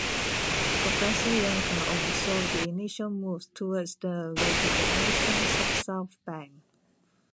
Professor Yencken oversaw the initial moves towards the rejuvenation of Southbank.